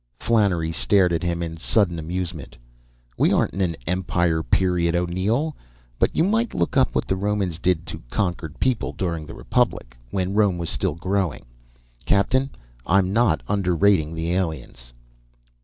Flannery stared at him in sudden amusement. "We aren't in an Empire period, O'Neill. But you might look up what the Romans did to conquered people during the Republic, when Rome was still growing. Captain, I'm not underrating the aliens!"